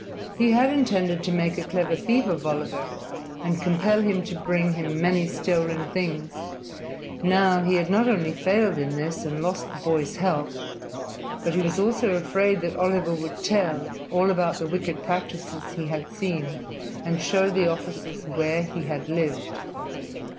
He had intended to make a clever thief of Oliver and compel him to bring him many stolen things; now he had not only failed in this and lost the boy's help, but he was also afraid that Oliver would tell all about the wicked practices he had seen and show the officers where he had lived.